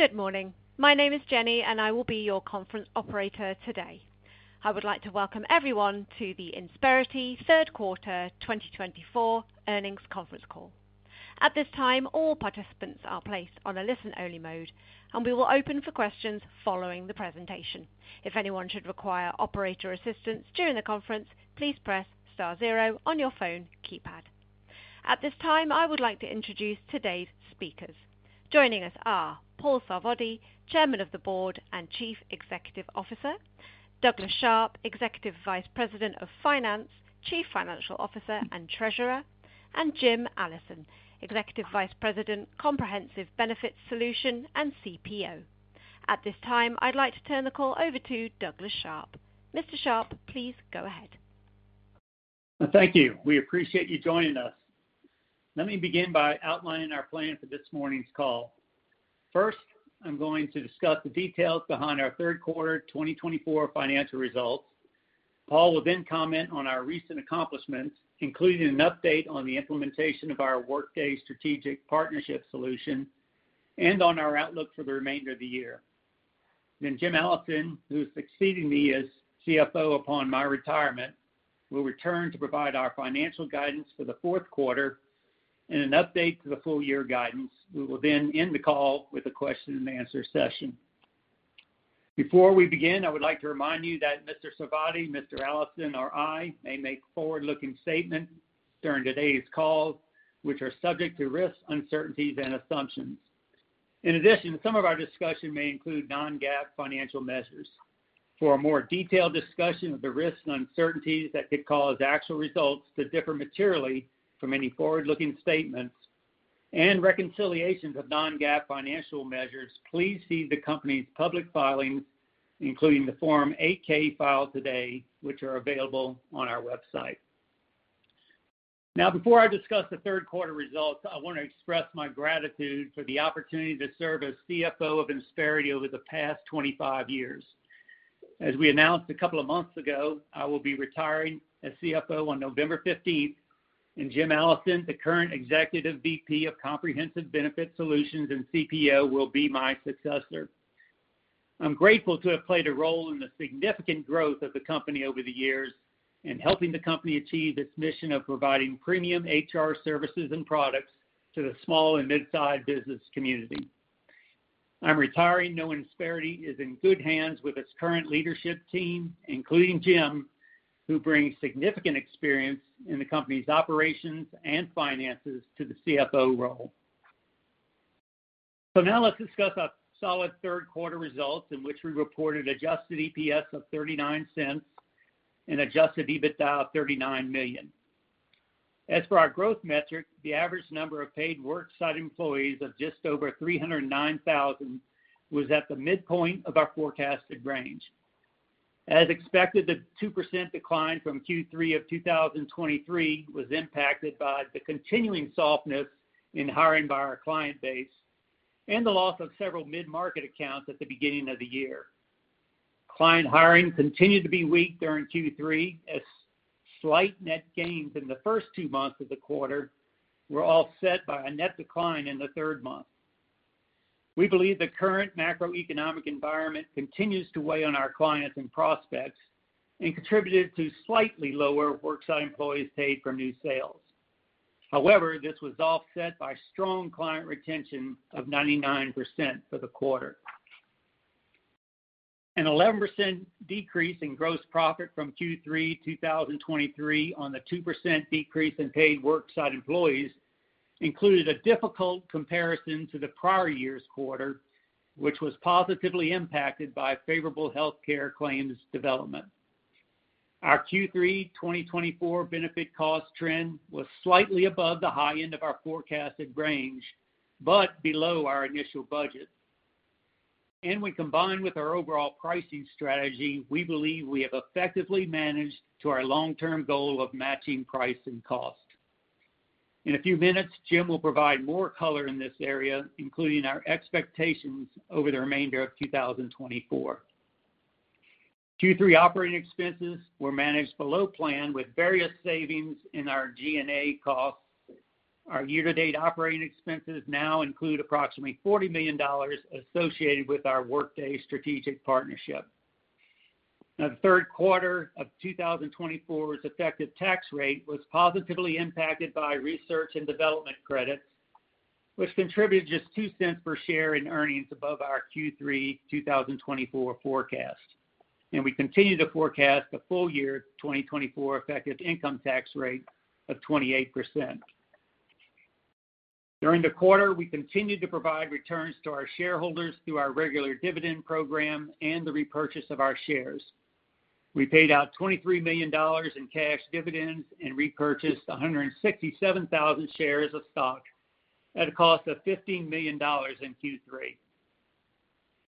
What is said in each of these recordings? Good morning. My name is Jenny, and I will be your conference operator today. I would like to welcome everyone to the Insperity Third Quarter 2024 earnings conference call. At this time, all participants are placed on a listen-only mode, and we will open for questions following the presentation. If anyone should require operator assistance during the conference, please press star zero on your phone keypad. At this time, I would like to introduce today's speakers. Joining us are Paul Sarvadi, Chairman of the Board and Chief Executive Officer, Douglas Sharp, Executive Vice President of Finance, Chief Financial Officer and Treasurer, and Jim Allison, Executive Vice President, Comprehensive Benefits Solutions and CPO. At this time, I'd like to turn the call over to Douglas Sharp. Mr. Sharp, please go ahead. Thank you. We appreciate you joining us. Let me begin by outlining our plan for this morning's call. First, I'm going to discuss the details behind our Third Quarter 2024 financial results. Paul will then comment on our recent accomplishments, including an update on the implementation of our Workday Strategic Partnership Solution and on our outlook for the remainder of the year. Then Jim Allison, who is succeeding me as CFO upon my retirement, will return to provide our financial guidance for the fourth quarter and an update to the full-year guidance. We will then end the call with a question-and-answer session. Before we begin, I would like to remind you that Mr. Sarvadi, Mr. Allison, or I may make forward-looking statements during today's call, which are subject to risks, uncertainties, and assumptions. In addition, some of our discussion may include non-GAAP financial measures. For a more detailed discussion of the risks and uncertainties that could cause actual results to differ materially from any forward-looking statements and reconciliations of non-GAAP financial measures, please see the company's public filings, including the Form 8-K filed today, which are available on our website. Now, before I discuss the third quarter results, I want to express my gratitude for the opportunity to serve as CFO of Insperity over the past 25 years. As we announced a couple of months ago, I will be retiring as CFO on November 15th, and Jim Allison, the current Executive VP of Comprehensive Benefits Solutions and CPO, will be my successor. I'm grateful to have played a role in the significant growth of the company over the years in helping the company achieve its mission of providing premium HR services and products to the small and mid-sized business community. I'm retiring, knowing Insperity is in good hands with its current leadership team, including Jim, who brings significant experience in the company's operations and finances to the CFO role. So now let's discuss our solid third quarter results, in which we reported Adjusted EPS of $0.39 and Adjusted EBITDA of $39 million. As for our growth metric, the average number of paid worksite employees of just over 309,000 was at the midpoint of our forecasted range. As expected, the 2% decline from Q3 of 2023 was impacted by the continuing softness in hiring by our client base and the loss of several mid-market accounts at the beginning of the year. Client hiring continued to be weak during Q3, as slight net gains in the first two months of the quarter were offset by a net decline in the third month. We believe the current macroeconomic environment continues to weigh on our clients and prospects and contributed to slightly lower work site employees paid from new sales. However, this was offset by strong client retention of 99% for the quarter. An 11% decrease in gross profit from Q3 2023 on the 2% decrease in paid work site employees included a difficult comparison to the prior year's quarter, which was positively impacted by favorable healthcare claims development. Our Q3 2024 benefit cost trend was slightly above the high end of our forecasted range, but below our initial budget, and when combined with our overall pricing strategy, we believe we have effectively managed to our long-term goal of matching price and cost. In a few minutes, Jim will provide more color in this area, including our expectations over the remainder of 2024. Q3 operating expenses were managed below plan with various savings in our G&A costs. Our year-to-date operating expenses now include approximately $40 million associated with our Workday Strategic Partnership. Now, the third quarter of 2024's effective tax rate was positively impacted by research and development credits, which contributed just $0.02 per share in earnings above our Q3 2024 forecast. We continue to forecast a full-year 2024 effective income tax rate of 28%. During the quarter, we continued to provide returns to our shareholders through our regular dividend program and the repurchase of our shares. We paid out $23 million in cash dividends and repurchased 167,000 shares of stock at a cost of $15 million in Q3.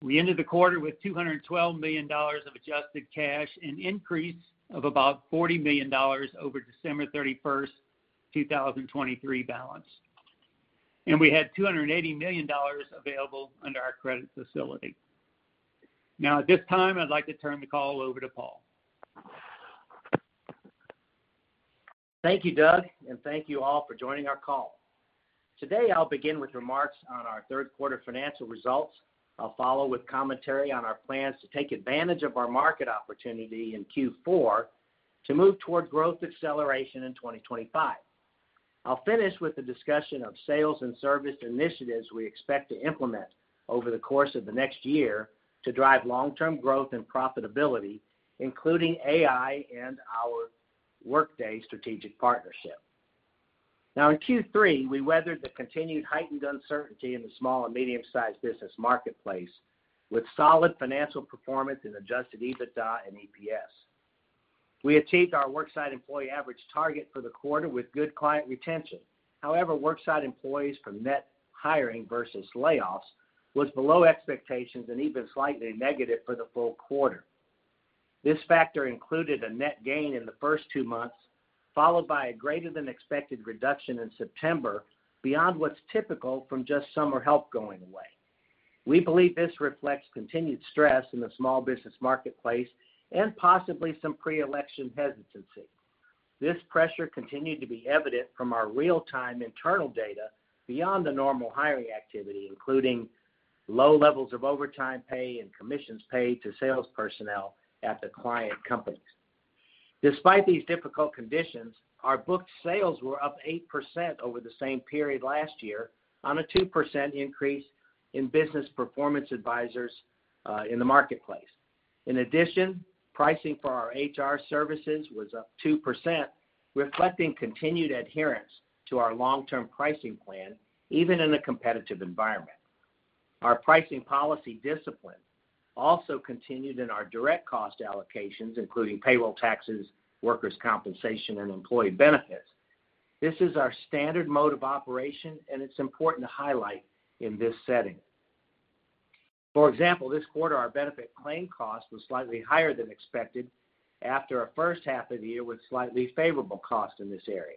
We ended the quarter with $212 million of adjusted cash, an increase of about $40 million over December 31st, 2023 balance. We had $280 million available under our credit facility. Now, at this time, I'd like to turn the call over to Paul. Thank you, Doug, and thank you all for joining our call. Today, I'll begin with remarks on our third quarter financial results. I'll follow with commentary on our plans to take advantage of our market opportunity in Q4 to move toward growth acceleration in 2025. I'll finish with the discussion of sales and service initiatives we expect to implement over the course of the next year to drive long-term growth and profitability, including AI and our Workday Strategic Partnership. Now, in Q3, we weathered the continued heightened uncertainty in the small and medium-sized business marketplace with solid financial performance in Adjusted EBITDA and EPS. We achieved our Worksite Employees average target for the quarter with good client retention. However, Worksite Employees from net hiring versus layoffs was below expectations and even slightly negative for the full quarter. This factor included a net gain in the first two months, followed by a greater-than-expected reduction in September beyond what's typical from just summer help going away. We believe this reflects continued stress in the small business marketplace and possibly some pre-election hesitancy. This pressure continued to be evident from our real-time internal data beyond the normal hiring activity, including low levels of overtime pay and commissions paid to sales personnel at the client companies. Despite these difficult conditions, our booked sales were up 8% over the same period last year on a 2% increase in Business Performance Advisors in the marketplace. In addition, pricing for our HR services was up 2%, reflecting continued adherence to our long-term pricing plan, even in a competitive environment. Our pricing policy discipline also continued in our direct cost allocations, including payroll taxes, workers' compensation, and employee benefits. This is our standard mode of operation, and it's important to highlight in this setting. For example, this quarter, our benefit claim cost was slightly higher than expected after our first half of the year with slightly favorable costs in this area.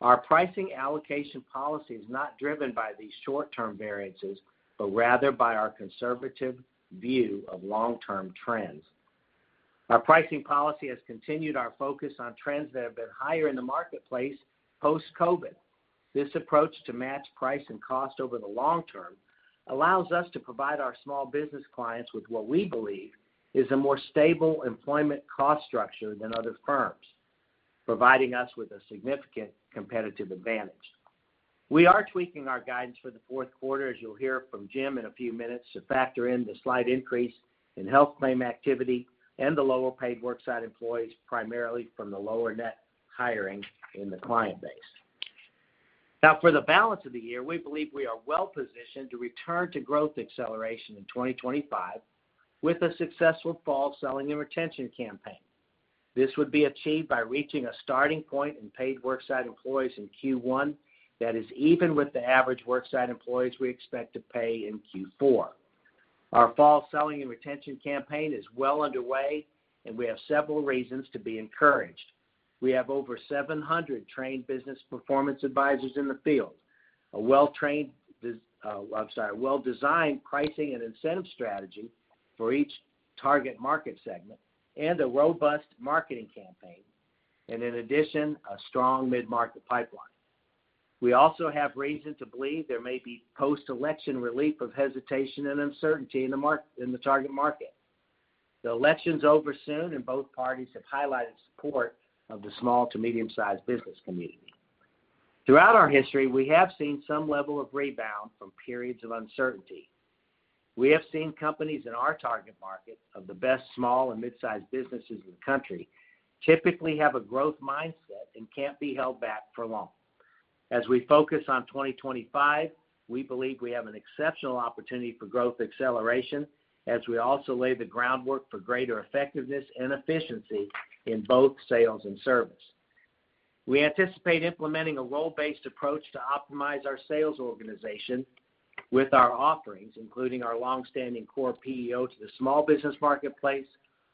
Our pricing allocation policy is not driven by these short-term variances, but rather by our conservative view of long-term trends. Our pricing policy has continued our focus on trends that have been higher in the marketplace post-COVID. This approach to match price and cost over the long term allows us to provide our small business clients with what we believe is a more stable employment cost structure than other firms, providing us with a significant competitive advantage. We are tweaking our guidance for the fourth quarter, as you'll hear from Jim in a few minutes, to factor in the slight increase in health claim activity and the lower paid work site employees, primarily from the lower net hiring in the client base. Now, for the balance of the year, we believe we are well positioned to return to growth acceleration in 2025 with a successful fall selling and retention campaign. This would be achieved by reaching a starting point in paid work site employees in Q1 that is even with the average work site employees we expect to pay in Q4. Our fall selling and retention campaign is well underway, and we have several reasons to be encouraged. We have over 700 trained business performance advisors in the field, a well-designed pricing and incentive strategy for each target market segment, and a robust marketing campaign, and in addition, a strong mid-market pipeline. We also have reason to believe there may be post-election relief of hesitation and uncertainty in the target market. The election's over soon, and both parties have highlighted support of the small to medium-sized business community. Throughout our history, we have seen some level of rebound from periods of uncertainty. We have seen companies in our target market of the best small and mid-sized businesses in the country typically have a growth mindset and can't be held back for long. As we focus on 2025, we believe we have an exceptional opportunity for growth acceleration, as we also lay the groundwork for greater effectiveness and efficiency in both sales and service. We anticipate implementing a role-based approach to optimize our sales organization with our offerings, including our longstanding core PEO to the small business marketplace,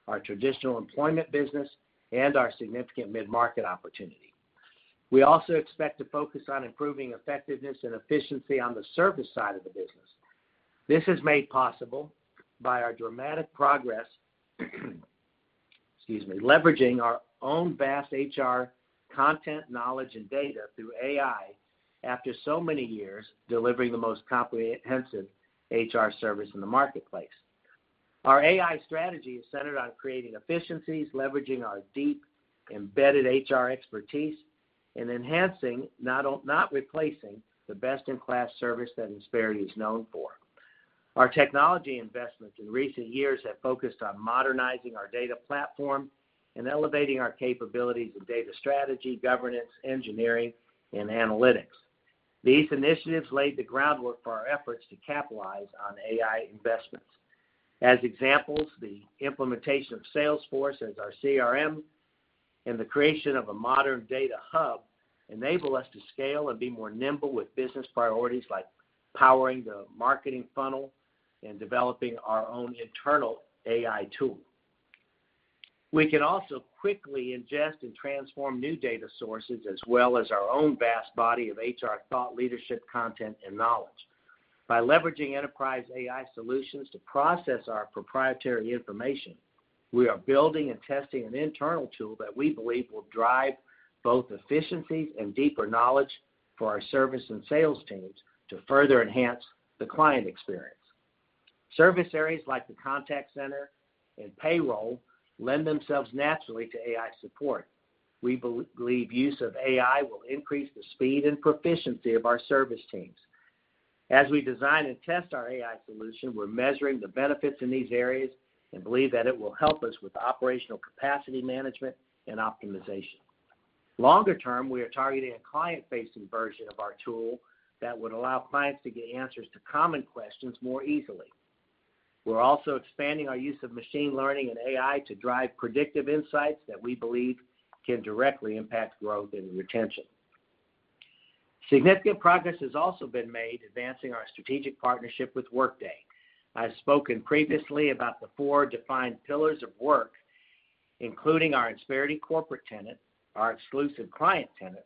our traditional employment business, and our significant mid-market opportunity. We also expect to focus on improving effectiveness and efficiency on the service side of the business. This is made possible by our dramatic progress, excuse me, leveraging our own vast HR content, knowledge, and data through AI after so many years delivering the most comprehensive HR service in the marketplace. Our AI strategy is centered on creating efficiencies, leveraging our deep embedded HR expertise, and enhancing, not replacing, the best-in-class service that Insperity is known for. Our technology investments in recent years have focused on modernizing our data platform and elevating our capabilities in data strategy, governance, engineering, and analytics. These initiatives laid the groundwork for our efforts to capitalize on AI investments. As examples, the implementation of Salesforce as our CRM and the creation of a modern data hub enable us to scale and be more nimble with business priorities like powering the marketing funnel and developing our own internal AI tool. We can also quickly ingest and transform new data sources as well as our own vast body of HR thought leadership content and knowledge. By leveraging enterprise AI solutions to process our proprietary information, we are building and testing an internal tool that we believe will drive both efficiencies and deeper knowledge for our service and sales teams to further enhance the client experience. Service areas like the contact center and payroll lend themselves naturally to AI support. We believe use of AI will increase the speed and proficiency of our service teams. As we design and test our AI solution, we're measuring the benefits in these areas and believe that it will help us with operational capacity management and optimization. Longer term, we are targeting a client-facing version of our tool that would allow clients to get answers to common questions more easily. We're also expanding our use of machine learning and AI to drive predictive insights that we believe can directly impact growth and retention. Significant progress has also been made advancing our strategic partnership with Workday. I've spoken previously about the four defined pillars of work, including our Insperity Corporate Tenant, our exclusive Client Tenant,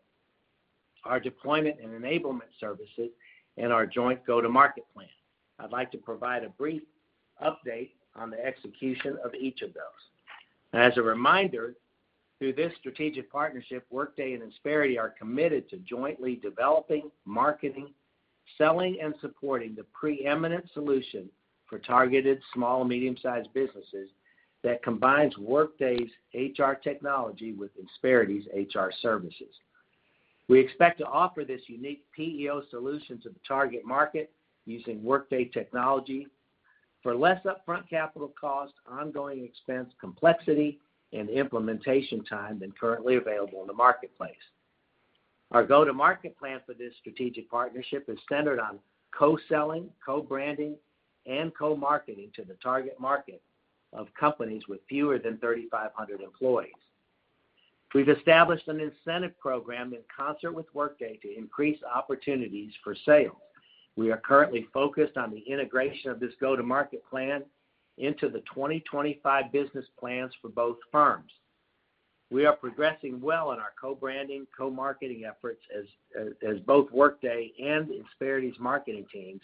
our deployment and enablement services, and our joint go-to-market plan. I'd like to provide a brief update on the execution of each of those. As a reminder, through this strategic partnership, Workday and Insperity are committed to jointly developing, marketing, selling, and supporting the preeminent solution for targeted small and medium-sized businesses that combines Workday's HR technology with Insperity's HR services. We expect to offer this unique PEO solution to the target market using Workday technology for less upfront capital cost, ongoing expense complexity, and implementation time than currently available in the marketplace. Our go-to-market plan for this strategic partnership is centered on co-selling, co-branding, and co-marketing to the target market of companies with fewer than 3,500 employees. We've established an incentive program in concert with Workday to increase opportunities for sales. We are currently focused on the integration of this go-to-market plan into the 2025 business plans for both firms. We are progressing well in our co-branding, co-marketing efforts as both Workday and Insperity's marketing teams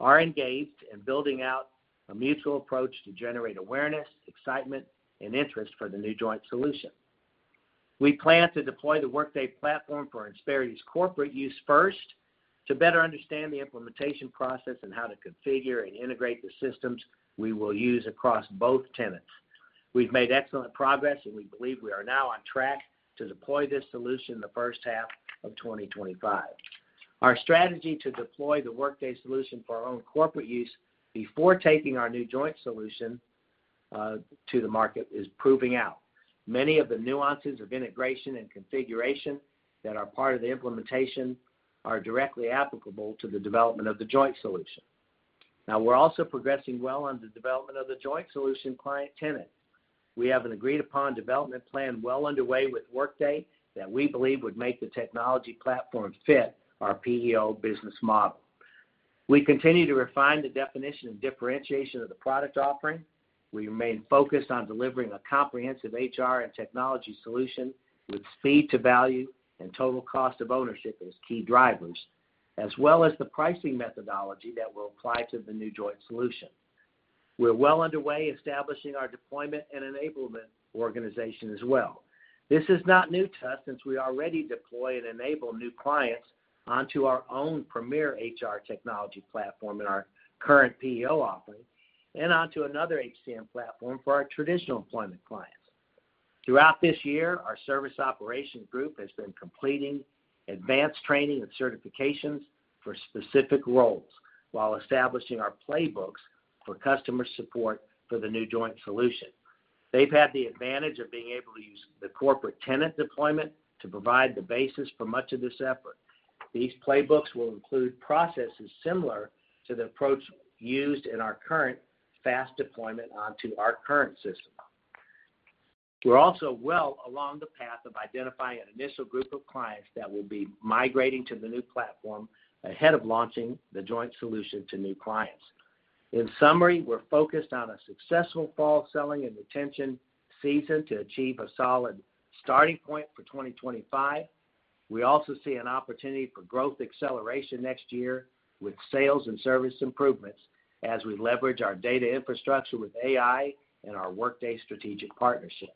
are engaged in building out a mutual approach to generate awareness, excitement, and interest for the new joint solution. We plan to deploy the Workday platform for Insperity's corporate use first to better understand the implementation process and how to configure and integrate the systems we will use across both tenants. We've made excellent progress, and we believe we are now on track to deploy this solution in the first half of 2025. Our strategy to deploy the Workday solution for our own corporate use before taking our new joint solution to the market is proving out. Many of the nuances of integration and configuration that are part of the implementation are directly applicable to the development of the joint solution. Now, we're also progressing well on the development of the joint solution client tenant. We have an agreed-upon development plan well underway with Workday that we believe would make the technology platform fit our PEO business model. We continue to refine the definition and differentiation of the product offering. We remain focused on delivering a comprehensive HR and technology solution with speed to value and total cost of ownership as key drivers, as well as the pricing methodology that will apply to the new joint solution. We're well underway establishing our deployment and enablement organization as well. This is not new to us since we already deploy and enable new clients onto our own premier HR technology platform in our current PEO offering and onto another HCM platform for our traditional employment clients. Throughout this year, our service operations group has been completing advanced training and certifications for specific roles while establishing our playbooks for customer support for the new joint solution. They've had the advantage of being able to use the corporate tenant deployment to provide the basis for much of this effort. These playbooks will include processes similar to the approach used in our current fast deployment onto our current system. We're also well along the path of identifying an initial group of clients that will be migrating to the new platform ahead of launching the joint solution to new clients. In summary, we're focused on a successful fall selling and retention season to achieve a solid starting point for 2025. We also see an opportunity for growth acceleration next year with sales and service improvements as we leverage our data infrastructure with AI and our Workday strategic partnership.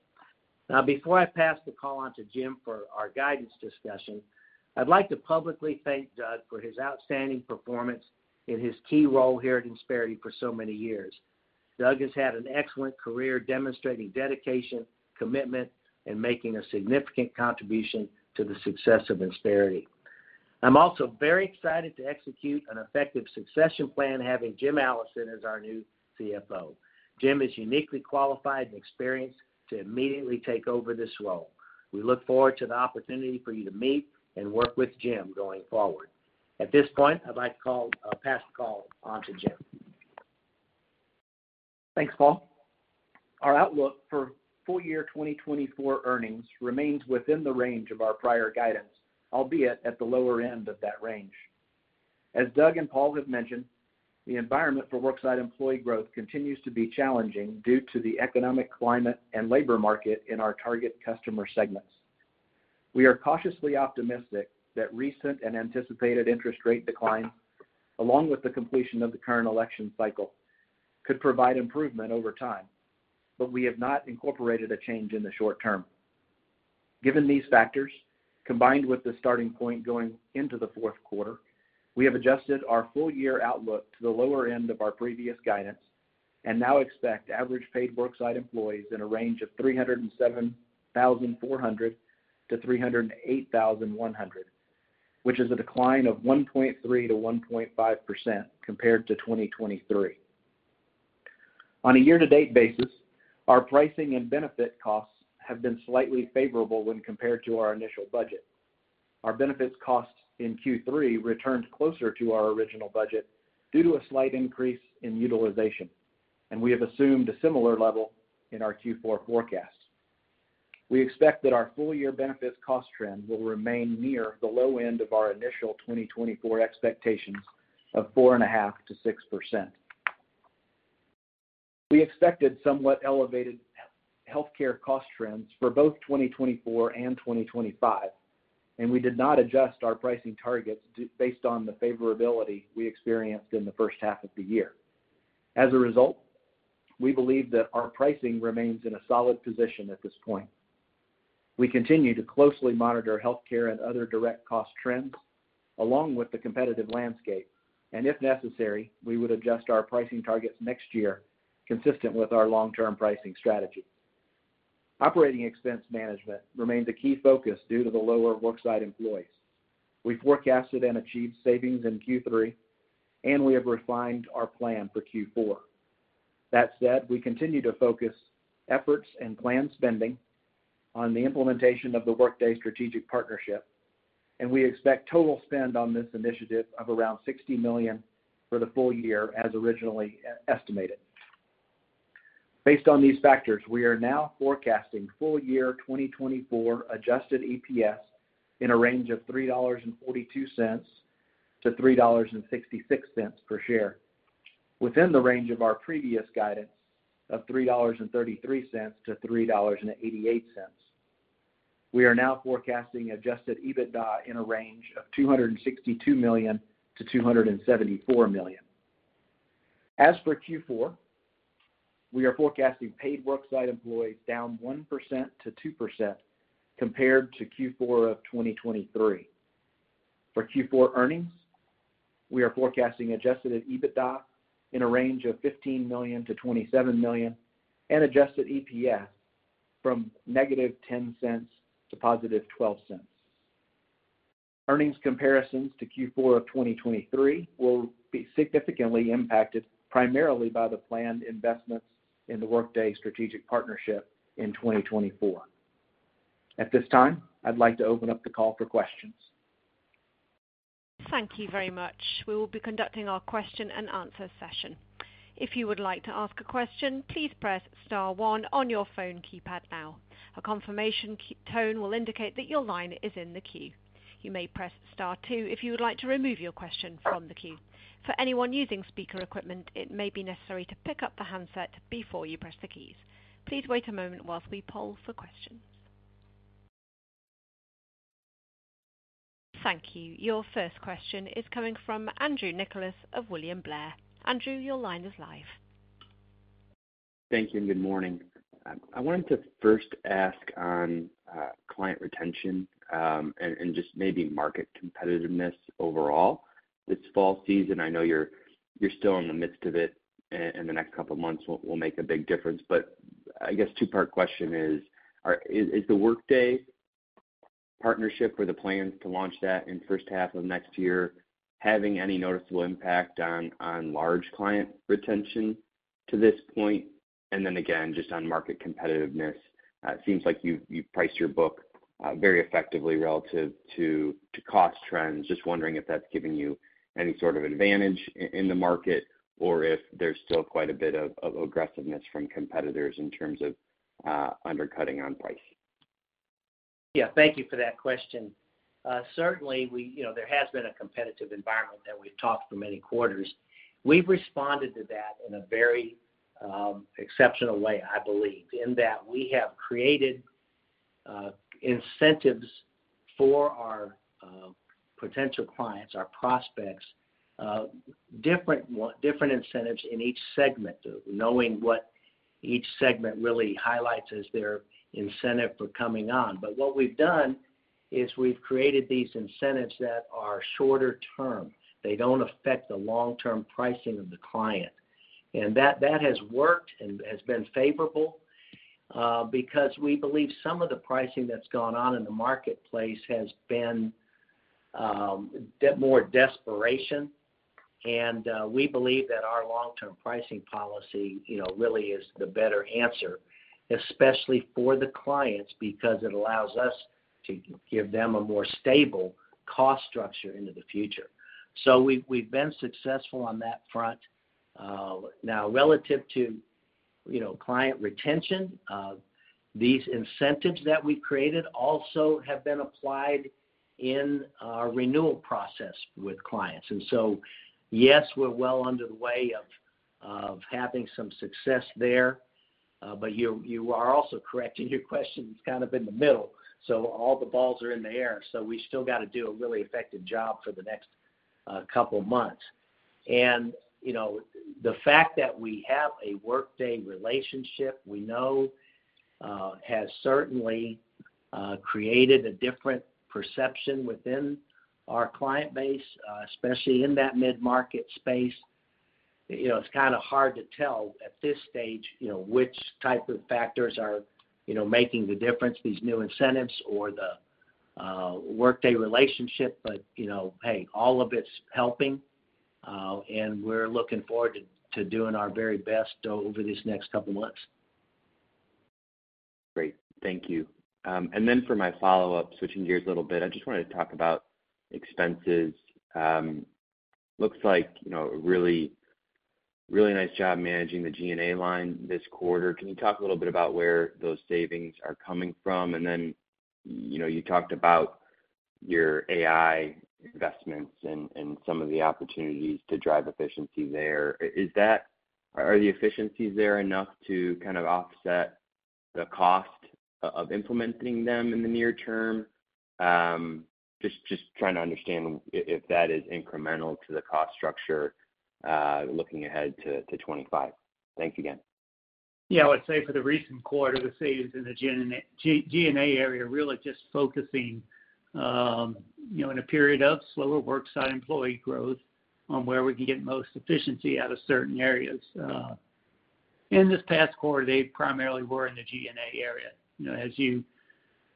Now, before I pass the call on to Jim for our guidance discussion, I'd like to publicly thank Doug for his outstanding performance in his key role here at Insperity for so many years. Doug has had an excellent career demonstrating dedication, commitment, and making a significant contribution to the success of Insperity. I'm also very excited to execute an effective succession plan, having Jim Allison as our new CFO. Jim is uniquely qualified and experienced to immediately take over this role. We look forward to the opportunity for you to meet and work with Jim going forward. At this point, I'd like to pass the call on to Jim. Thanks, Paul. Our outlook for full year 2024 earnings remains within the range of our prior guidance, albeit at the lower end of that range. As Doug and Paul have mentioned, the environment for work site employee growth continues to be challenging due to the economic climate and labor market in our target customer segments. We are cautiously optimistic that recent and anticipated interest rate declines, along with the completion of the current election cycle, could provide improvement over time, but we have not incorporated a change in the short term. Given these factors, combined with the starting point going into the fourth quarter, we have adjusted our full year outlook to the lower end of our previous guidance and now expect average paid work site employees in a range of 307,400-308,100, which is a decline of 1.3%-1.5% compared to 2023. On a year-to-date basis, our pricing and benefit costs have been slightly favorable when compared to our initial budget. Our benefits costs in Q3 returned closer to our original budget due to a slight increase in utilization, and we have assumed a similar level in our Q4 forecast. We expect that our full year benefits cost trend will remain near the low end of our initial 2024 expectations of 4.5%-6%. We expected somewhat elevated healthcare cost trends for both 2024 and 2025, and we did not adjust our pricing targets based on the favorability we experienced in the first half of the year. As a result, we believe that our pricing remains in a solid position at this point. We continue to closely monitor healthcare and other direct cost trends along with the competitive landscape, and if necessary, we would adjust our pricing targets next year consistent with our long-term pricing strategy. Operating expense management remains a key focus due to the lower work site employees. We forecasted and achieved savings in Q3, and we have refined our plan for Q4. That said, we continue to focus efforts and planned spending on the implementation of the Workday strategic partnership, and we expect total spend on this initiative of around $60 million for the full year as originally estimated. Based on these factors, we are now forecasting full year 2024 Adjusted EPS in a range of $3.42-$3.66 per share within the range of our previous guidance of $3.33-$3.88. We are now forecasting Adjusted EBITDA in a range of $262 million-$274 million. As for Q4, we are forecasting Paid Work Site Employees down 1%-2% compared to Q4 of 2023. For Q4 earnings, we are forecasting Adjusted EBITDA in a range of $15 million-$27 million and Adjusted EPS from -$0.10 to $0.12. Earnings comparisons to Q4 of 2023 will be significantly impacted primarily by the planned investments in the Workday strategic partnership in 2024. At this time, I'd like to open up the call for questions. Thank you very much. We will be conducting our question and answer session. If you would like to ask a question, please press Star 1 on your phone keypad now. A confirmation tone will indicate that your line is in the queue. You may press Star 2 if you would like to remove your question from the queue. For anyone using speaker equipment, it may be necessary to pick up the handset before you press the keys. Please wait a moment while we poll for questions. Thank you. Your first question is coming from Andrew Nicholas of William Blair. Andrew, your line is live. Thank you and good morning. I wanted to first ask on client retention and just maybe market competitiveness overall. This fall season, I know you're still in the midst of it, and the next couple of months will make a big difference. But I guess two-part question is, is the Workday partnership or the plans to launch that in the first half of next year having any noticeable impact on large client retention to this point? And then again, just on market competitiveness, it seems like you've priced your book very effectively relative to cost trends. Just wondering if that's giving you any sort of advantage in the market or if there's still quite a bit of aggressiveness from competitors in terms of undercutting on price. Yeah, thank you for that question. Certainly, there has been a competitive environment that we've talked for many quarters. We've responded to that in a very exceptional way, I believe, in that we have created incentives for our potential clients, our prospects, different incentives in each segment, knowing what each segment really highlights as their incentive for coming on, but what we've done is we've created these incentives that are shorter term, they don't affect the long-term pricing of the client, and that has worked and has been favorable because we believe some of the pricing that's gone on in the marketplace has been more desperation, and we believe that our long-term pricing policy really is the better answer, especially for the clients, because it allows us to give them a more stable cost structure into the future, so we've been successful on that front. Now, relative to client retention, these incentives that we've created also have been applied in our renewal process with clients. And so, yes, we're well underway of having some success there, but you are also correcting your question kind of in the middle. So all the balls are in the air. So we still got to do a really effective job for the next couple of months. And the fact that we have a Workday relationship we know has certainly created a different perception within our client base, especially in that mid-market space. It's kind of hard to tell at this stage which type of factors are making the difference, these new incentives or the Workday relationship, but hey, all of it's helping, and we're looking forward to doing our very best over this next couple of months. Great. Thank you. And then for my follow-up, switching gears a little bit, I just wanted to talk about expenses. Looks like a really nice job managing the G&A line this quarter. Can you talk a little bit about where those savings are coming from? And then you talked about your AI investments and some of the opportunities to drive efficiency there. Are the efficiencies there enough to kind of offset the cost of implementing them in the near term? Just trying to understand if that is incremental to the cost structure looking ahead to 2025. Thanks again. Yeah, I would say for the recent quarter, the savings in the G&A area are really just focusing in a period of slower work site employee growth on where we can get most efficiency out of certain areas. In this past quarter, they primarily were in the G&A area.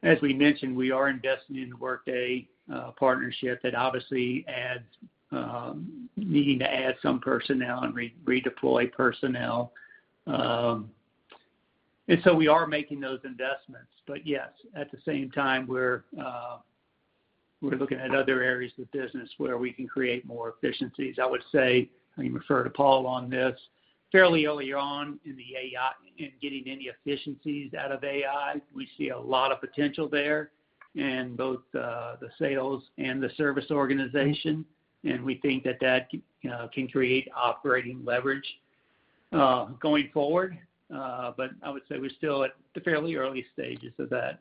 As we mentioned, we are investing in the Workday partnership that's obviously needing to add some personnel and redeploy personnel. We are making those investments. Yes, at the same time, we're looking at other areas of business where we can create more efficiencies. I would say, you referred to Paul on this, fairly early on in getting any efficiencies out of AI, we see a lot of potential there in both the sales and the service organization. We think that that can create operating leverage going forward. I would say we're still at the fairly early stages of that.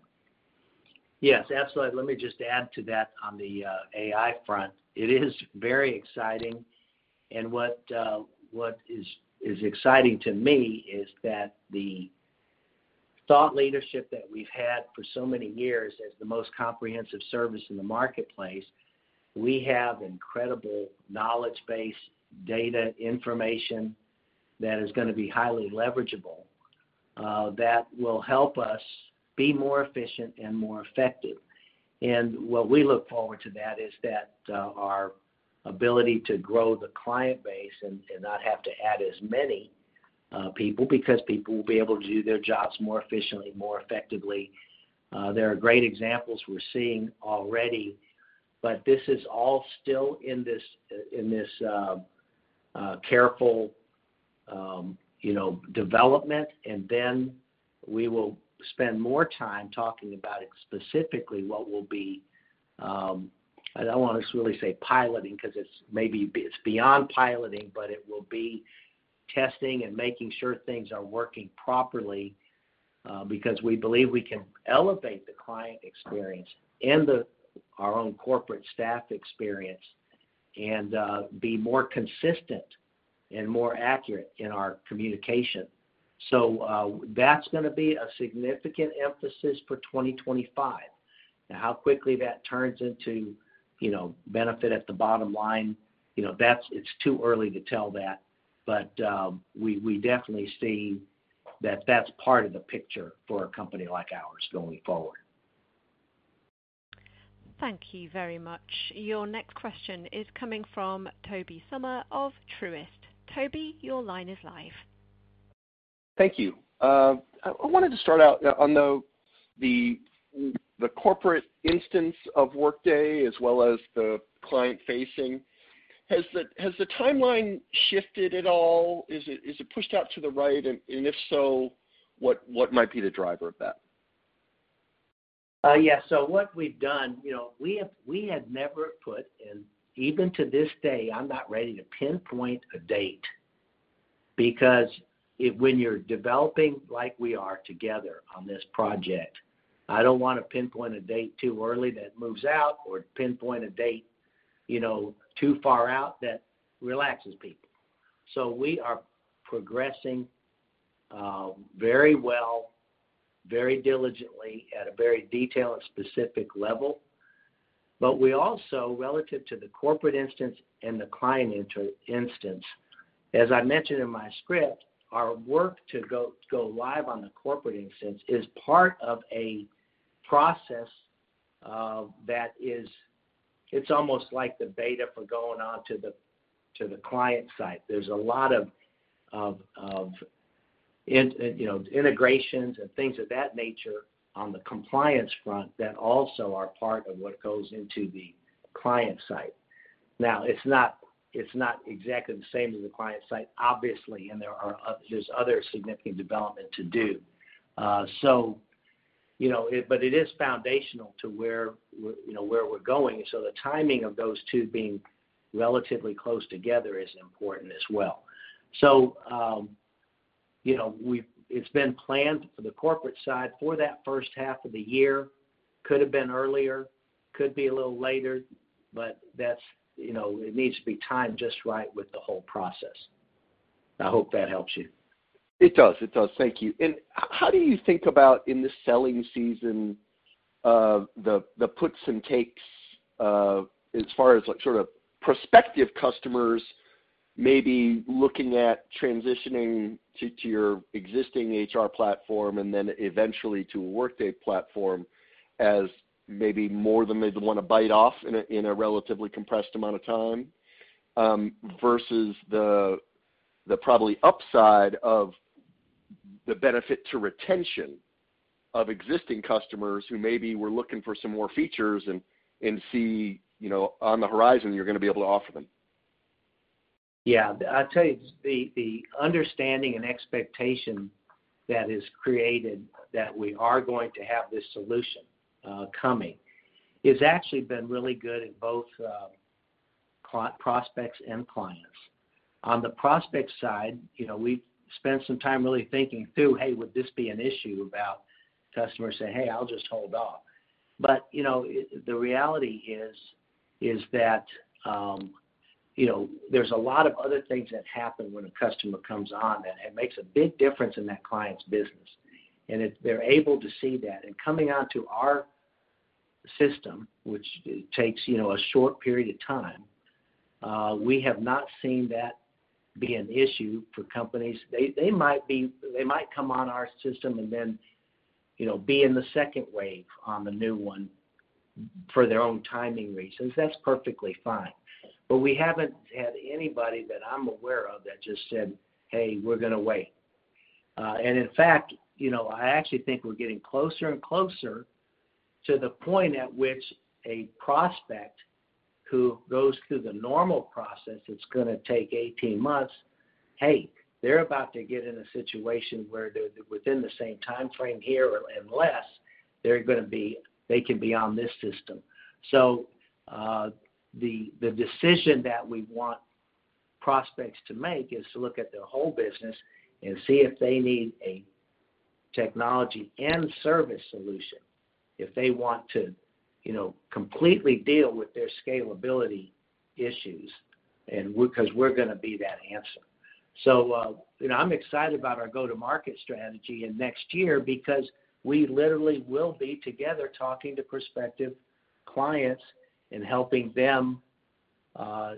Yes, absolutely. Let me just add to that on the AI front. It is very exciting. What is exciting to me is that the thought leadership that we've had for so many years as the most comprehensive service in the marketplace. We have incredible knowledge base, data, information that is going to be highly leverageable that will help us be more efficient and more effective. And what we look forward to is that our ability to grow the client base and not have to add as many people because people will be able to do their jobs more efficiently, more effectively. There are great examples we're seeing already, but this is all still in this careful development. And then we will spend more time talking about specifically what will be. I don't want to really say piloting because it's maybe beyond piloting, but it will be testing and making sure things are working properly because we believe we can elevate the client experience and our own corporate staff experience and be more consistent and more accurate in our communication. So that's going to be a significant emphasis for 2025. Now, how quickly that turns into benefit at the bottom line, it's too early to tell that, but we definitely see that that's part of the picture for a company like ours going forward. Thank you very much. Your next question is coming from Toby Summer of Truist. Toby, your line is live. Thank you. I wanted to start out on the corporate instance of Workday as well as the client-facing. Has the timeline shifted at all? Is it pushed out to the right? And if so, what might be the driver of that? Yeah. So what we've done, we have never put, and even to this day, I'm not ready to pinpoint a date because when you're developing like we are together on this project, I don't want to pinpoint a date too early that moves out or pinpoint a date too far out that relaxes people. So we are progressing very well, very diligently at a very detailed specific level. But we also, relative to the corporate instance and the client instance, as I mentioned in my script, our work to go live on the corporate instance is part of a process that is, it's almost like the beta for going on to the client site. There's a lot of integrations and things of that nature on the compliance front that also are part of what goes into the client site. Now, it's not exactly the same as the client site, obviously, and there's other significant development to do. But it is foundational to where we're going. So the timing of those two being relatively close together is important as well. So it's been planned for the corporate side for that first half of the year. Could have been earlier, could be a little later, but it needs to be timed just right with the whole process. I hope that helps you. It does. It does. Thank you. And how do you think about in the selling season the puts and takes as far as sort of prospective customers maybe looking at transitioning to your existing HR platform and then eventually to a Workday platform as maybe more than they want to bite off in a relatively compressed amount of time versus the probably upside of the benefit to retention of existing customers who maybe were looking for some more features and see on the horizon you're going to be able to offer them? Yeah. I'll tell you, the understanding and expectation that is created that we are going to have this solution coming has actually been really good at both prospects and clients. On the prospect side, we've spent some time really thinking through, hey, would this be an issue about customers saying, hey, I'll just hold off, but the reality is that there's a lot of other things that happen when a customer comes on that makes a big difference in that client's business, and they're able to see that, and coming on to our system, which takes a short period of time, we have not seen that be an issue for companies. They might come on our system and then be in the second wave on the new one for their own timing reasons. That's perfectly fine, but we haven't had anybody that I'm aware of that just said, hey, we're going to wait. In fact, I actually think we're getting closer and closer to the point at which a prospect who goes through the normal process that's going to take 18 months. Hey, they're about to get in a situation where within the same timeframe here and less, they can be on this system. So the decision that we want prospects to make is to look at their whole business and see if they need a technology and service solution, if they want to completely deal with their scalability issues, because we're going to be that answer. So I'm excited about our go-to-market strategy in next year because we literally will be together talking to prospective clients and helping them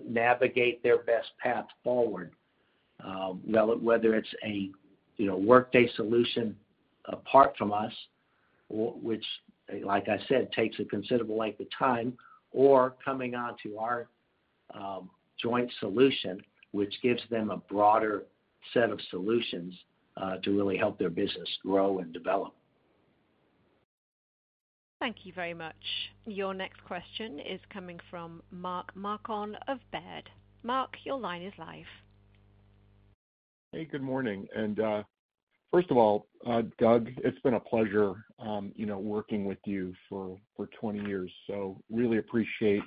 navigate their best path forward, whether it's a Workday solution apart from us, which, like I said, takes a considerable length of time, or coming on to our joint solution, which gives them a broader set of solutions to really help their business grow and develop. Thank you very much. Your next question is coming from Mark Marcon of Baird. Mark, your line is live. Hey, good morning, and first of all, Doug, it's been a pleasure working with you for 20 years, so really appreciate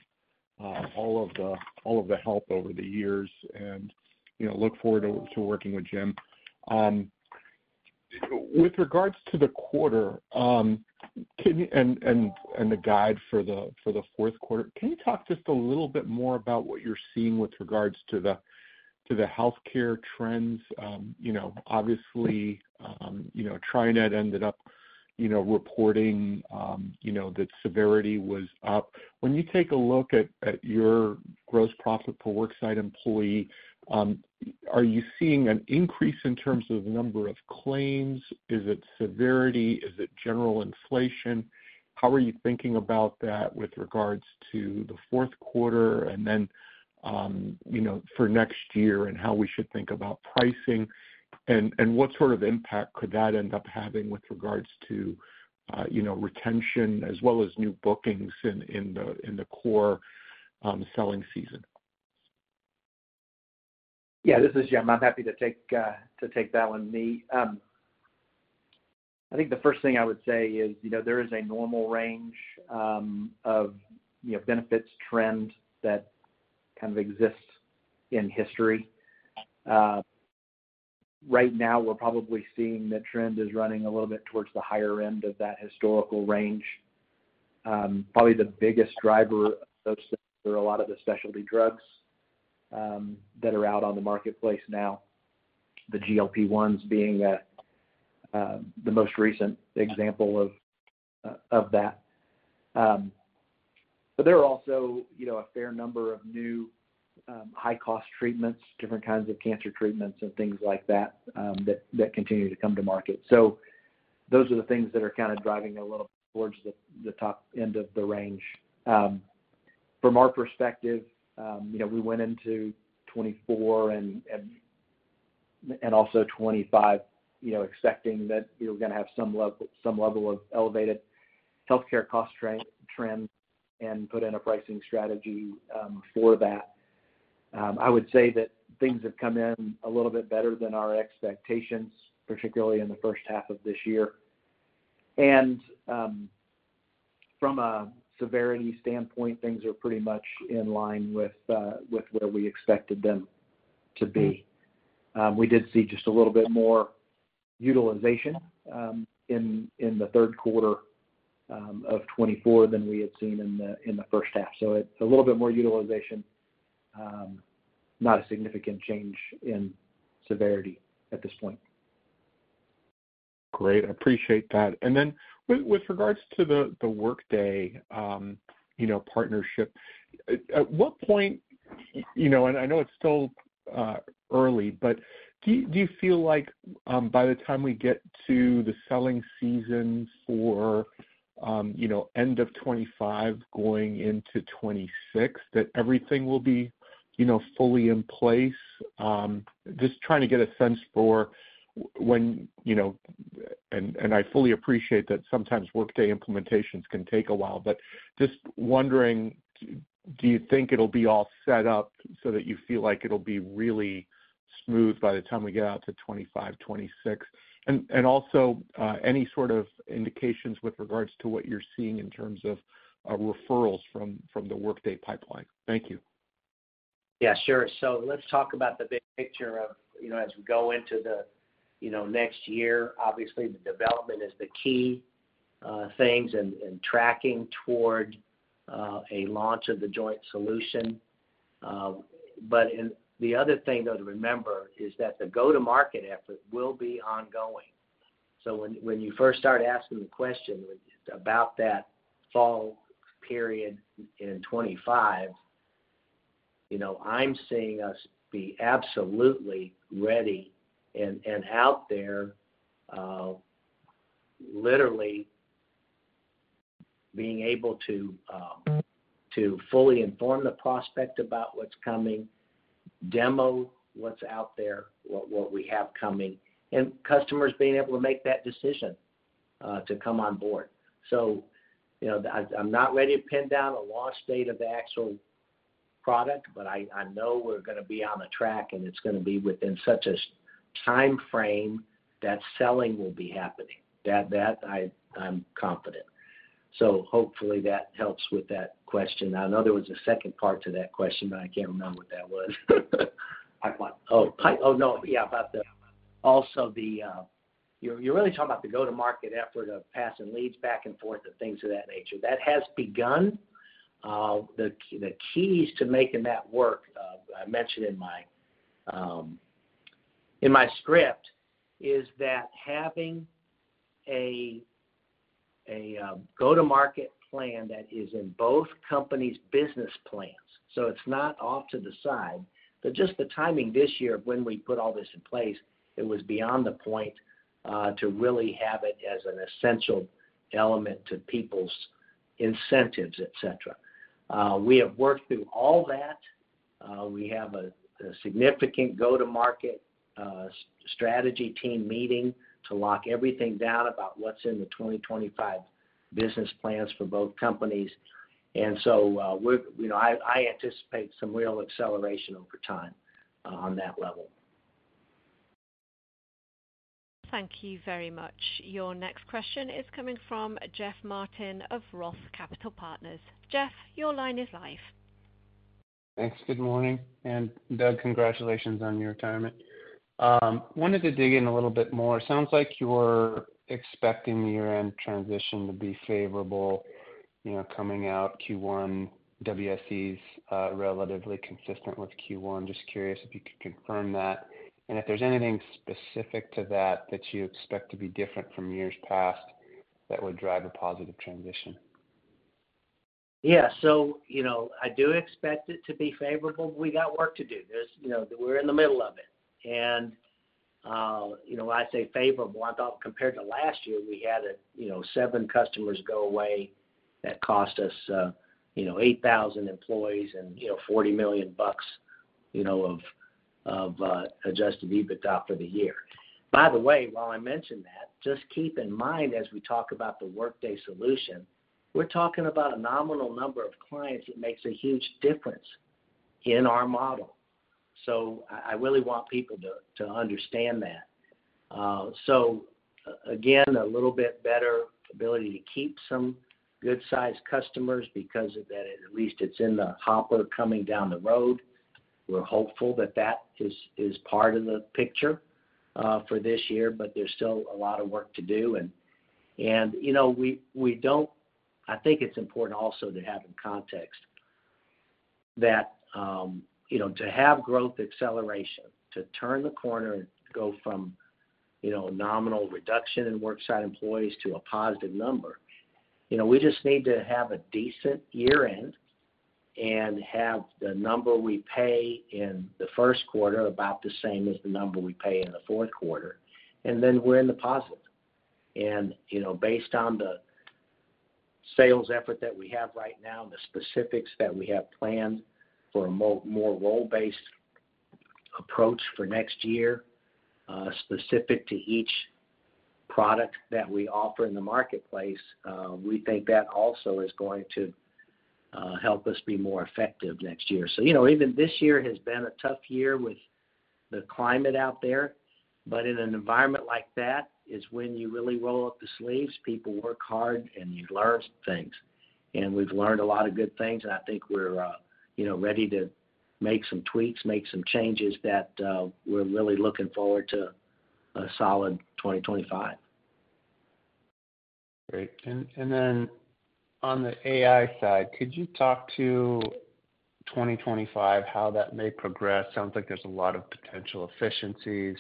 all of the help over the years and look forward to working with Jim. With regards to the quarter and the guide for the fourth quarter, can you talk just a little bit more about what you're seeing with regards to the healthcare trends? Obviously, TriNet ended up reporting that severity was up. When you take a look at your gross profit per work site employee, are you seeing an increase in terms of the number of claims? Is it severity? Is it general inflation? How are you thinking about that with regards to the fourth quarter and then for next year and how we should think about pricing? And what sort of impact could that end up having with regards to retention as well as new bookings in the core selling season? Yeah, this is Jim. I'm happy to take that one, Mark. I think the first thing I would say is there is a normal range of benefits trend that kind of exists in history. Right now, we're probably seeing the trend is running a little bit towards the higher end of that historical range. Probably the biggest driver of those are a lot of the specialty drugs that are out on the marketplace now, the GLP-1s being the most recent example of that. But there are also a fair number of new high-cost treatments, different kinds of cancer treatments and things like that that continue to come to market. So those are the things that are kind of driving a little towards the top end of the range. From our perspective, we went into 2024 and also 2025 expecting that we were going to have some level of elevated healthcare cost trend and put in a pricing strategy for that. I would say that things have come in a little bit better than our expectations, particularly in the first half of this year, and from a severity standpoint, things are pretty much in line with where we expected them to be. We did see just a little bit more utilization in the third quarter of 2024 than we had seen in the first half. So a little bit more utilization, not a significant change in severity at this point. Great. I appreciate that, and then with regards to the Workday partnership, at what point, and I know it's still early, but do you feel like by the time we get to the selling season for end of 2025 going into 2026, that everything will be fully in place? Just trying to get a sense for when and I fully appreciate that sometimes Workday implementations can take a while, but just wondering, do you think it'll be all set up so that you feel like it'll be really smooth by the time we get out to 2025, 2026? And also any sort of indications with regards to what you're seeing in terms of referrals from the Workday pipeline? Thank you. Yeah, sure. So let's talk about the big picture as we go into the next year. Obviously, the development is the key things and tracking toward a launch of the joint solution. But the other thing to remember is that the go-to-market effort will be ongoing. So when you first start asking the question about that fall period in 2025, I'm seeing us be absolutely ready and out there literally being able to fully inform the prospect about what's coming, demo what's out there, what we have coming, and customers being able to make that decision to come on board. So I'm not ready to pin down a launch date of the actual product, but I know we're going to be on a track and it's going to be within such a timeframe that selling will be happening. That I'm confident. So hopefully that helps with that question. I know there was a second part to that question, but I can't remember what that was. Oh, no. Yeah, about also the you're really talking about the go-to-market effort of passing leads back and forth and things of that nature. That has begun. The keys to making that work, I mentioned in my script, is that having a go-to-market plan that is in both companies' business plans. So it's not off to the side. But just the timing this year of when we put all this in place, it was beyond the point to really have it as an essential element to people's incentives, etc. We have worked through all that. We have a significant go-to-market strategy team meeting to lock everything down about what's in the 2025 business plans for both companies. And so I anticipate some real acceleration over time on that level. Thank you very much. Your next question is coming from Jeff Martin of Roth Capital Partners. Jeff, your line is live. Thanks. Good morning. And Doug, congratulations on your retirement. Wanted to dig in a little bit more. Sounds like you're expecting the year-end transition to be favorable coming out Q1. WSE is relatively consistent with Q1. Just curious if you could confirm that. And if there's anything specific to that that you expect to be different from years past that would drive a positive transition. Yeah. So I do expect it to be favorable, but we got work to do. We're in the middle of it. And when I say favorable, I thought compared to last year, we had seven customers go away that cost us 8,000 employees and $40 million of Adjusted EBITDA for the year. By the way, while I mention that, just keep in mind as we talk about the Workday solution, we're talking about a nominal number of clients that makes a huge difference in our model. So I really want people to understand that. So again, a little bit better ability to keep some good-sized customers because at least it's in the hopper coming down the road. We're hopeful that that is part of the picture for this year, but there's still a lot of work to do. And we don't. I think it's important also to have in context that to have growth acceleration, to turn the corner and go from nominal reduction in work site employees to a positive number, we just need to have a decent year-end and have the number we pay in the first quarter about the same as the number we pay in the fourth quarter, and then we're in the positive. Based on the sales effort that we have right now, the specifics that we have planned for a more role-based approach for next year, specific to each product that we offer in the marketplace, we think that also is going to help us be more effective next year. Even this year has been a tough year with the climate out there, but in an environment like that is when you really roll up the sleeves, people work hard, and you learn things. We've learned a lot of good things, and I think we're ready to make some tweaks, make some changes that we're really looking forward to a solid 2025. Great. Then on the AI side, could you talk to 2025, how that may progress? Sounds like there's a lot of potential efficiencies.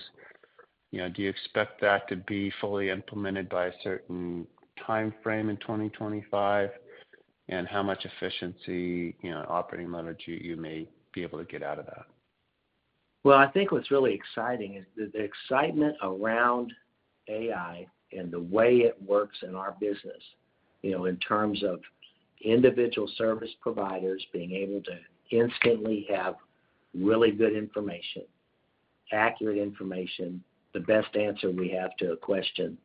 Do you expect that to be fully implemented by a certain timeframe in 2025? And how much efficiency and operating leverage you may be able to get out of that? Well, I think what's really exciting is the excitement around AI and the way it works in our business in terms of individual service providers being able to instantly have really good information, accurate information, the best answer we have to a question.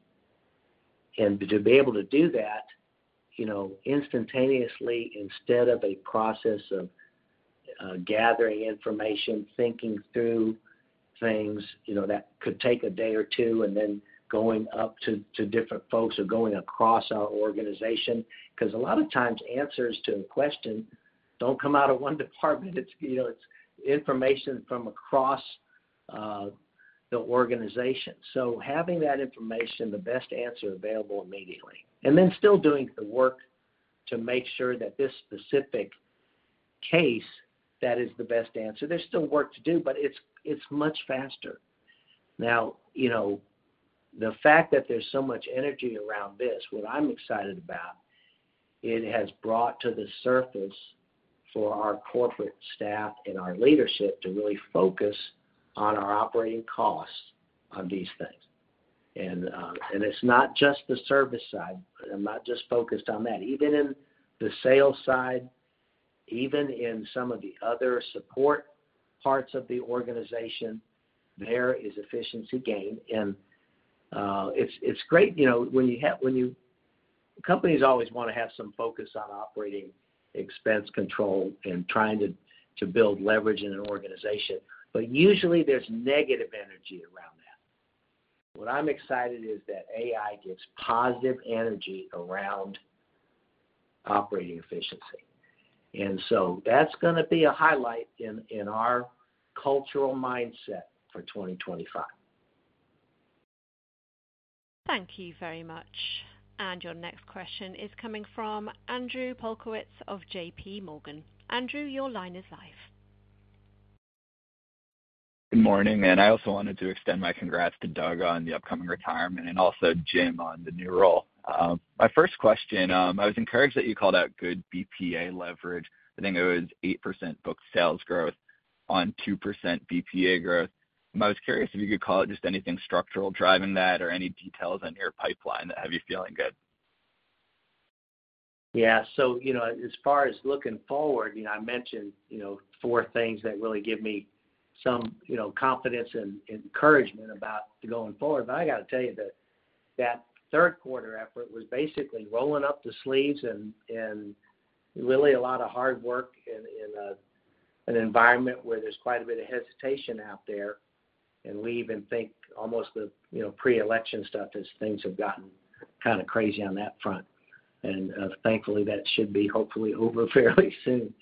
And to be able to do that instantaneously instead of a process of gathering information, thinking through things that could take a day or two, and then going up to different folks or going across our organization, because a lot of times answers to a question don't come out of one department. It's information from across the organization. So, having that information, the best answer available immediately, and then still doing the work to make sure that this specific case that is the best answer. There's still work to do, but it's much faster. Now, the fact that there's so much energy around this, what I'm excited about, it has brought to the surface for our corporate staff and our leadership to really focus on our operating costs on these things. And it's not just the service side. I'm not just focused on that. Even in the sales side, even in some of the other support parts of the organization, there is efficiency gain. And it's great when companies always want to have some focus on operating expense control and trying to build leverage in an organization, but usually there's negative energy around that. What I'm excited is that AI gives positive energy around operating efficiency. And so that's going to be a highlight in our cultural mindset for 2025. Thank you very much. And your next question is coming from Andrew Polkowitz of J.P. Morgan. Andrew, your line is live. Good morning. And I also wanted to extend my congrats to Doug on the upcoming retirement and also Jim on the new role. My first question, I was encouraged that you called out good BPA leverage. I think it was 8% book sales growth on 2% BPA growth. I'm always curious if you could call it just anything structural driving that or any details on your pipeline that have you feeling good. Yeah. So as far as looking forward, I mentioned four things that really give me some confidence and encouragement about going forward. But I got to tell you that third quarter effort was basically rolling up the sleeves and really a lot of hard work in an environment where there's quite a bit of hesitation out there. And we even think almost the pre-election stuff as things have gotten kind of crazy on that front. And thankfully, that should be hopefully over fairly soon.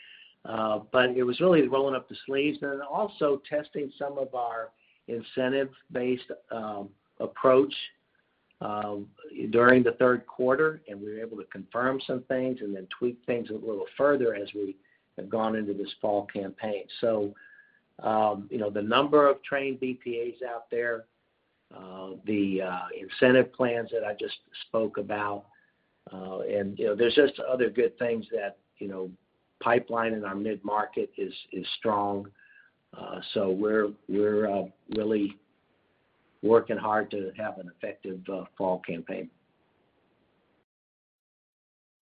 But it was really rolling up the sleeves and also testing some of our incentive-based approach during the third quarter, and we were able to confirm some things and then tweak things a little further as we have gone into this fall campaign. So the number of trained BPAs out there, the incentive plans that I just spoke about, and there's just other good things that the pipeline in our mid-market is strong. So we're really working hard to have an effective fall campaign.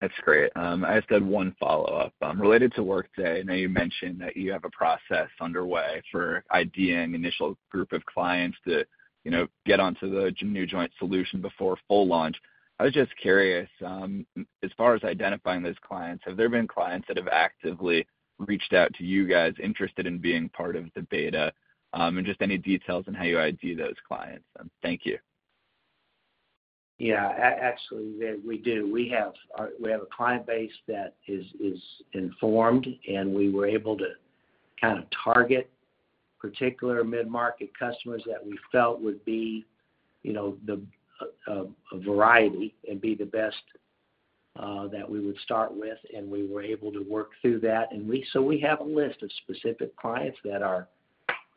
That's great. I just had one follow-up related to Workday. I know you mentioned that you have a process underway for idea and initial group of clients to get onto the new joint solution before full launch. I was just curious, as far as identifying those clients, have there been clients that have actively reached out to you guys interested in being part of the beta and just any details on how you ID those clients? Thank you. Yeah. Actually, we do. We have a client base that is informed, and we were able to kind of target particular mid-market customers that we felt would be a variety and be the best that we would start with. And we were able to work through that. And so we have a list of specific clients that are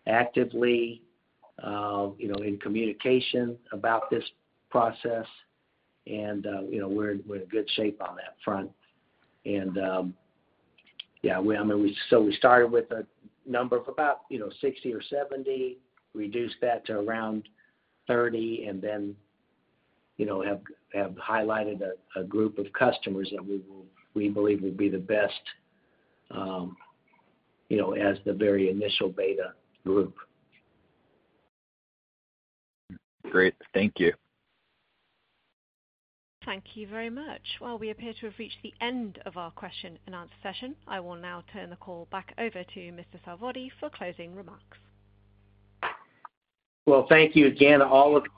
actively in communication about this process, and we're in good shape on that front. Yeah, I mean, so we started with a number of about 60 or 70, reduced that to around 30, and then have highlighted a group of customers that we believe will be the best as the very initial beta group. Great. Thank you. Thank you very much. We appear to have reached the end of our question and answer session. I will now turn the call back over to Mr. Salvatore for closing remarks. Thank you again to all of you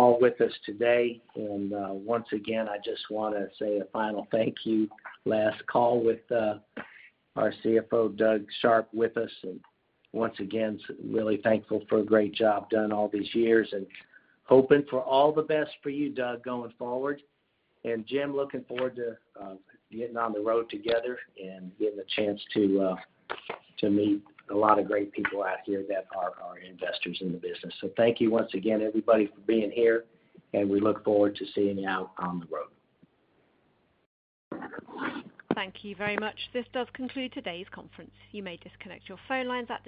all with us today. Once again, I just want to say a final thank you, last call with our CFO, Doug Sharp, with us. Once again, really thankful for a great job done all these years and hoping for all the best for you, Doug, going forward. And Jim, looking forward to getting on the road together and getting a chance to meet a lot of great people out here that are investors in the business. So thank you once again, everybody, for being here, and we look forward to seeing you out on the road. Thank you very much. This does conclude today's conference. You may disconnect your phone lines at.